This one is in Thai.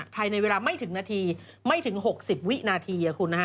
ภายในเวลาไม่ถึงนาทีไม่ถึง๖๐วินาที